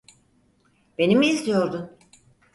Beni mi izliyordun?